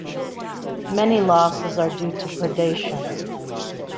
Many losses are due to predation.